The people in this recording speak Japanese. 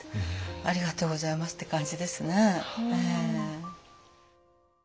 ありがとうございますって感じですね。